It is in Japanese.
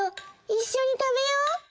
いっしょにたべよう！